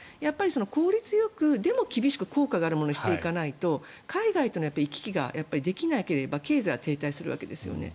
効率よくでも厳しく効果があるものにしていかないと海外との行き来ができなければ経済は停滞するわけですよね。